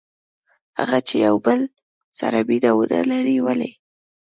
هغه چې یو له بل سره مینه ونه لري؟ ولې؟